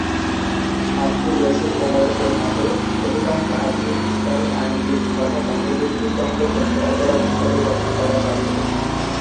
আব্দুর রশিদ ওমর এর মতে, অধিকাংশ আধুনিক ইসলামী আইনবিদ ধর্ম তাকে মৃত্যুদণ্ড যোগ্য অপরাধ হিসেবে গণ্য করা জারি রেখেছেন।